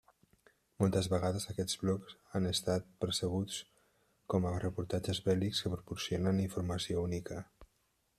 Moltes vegades aquests blogs han estat percebuts com a reportatges bèl·lics que proporcionen informació única.